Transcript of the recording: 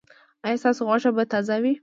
ایا ستاسو غوښه به تازه وي؟